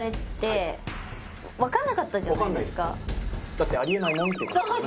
だってありえないもんっていう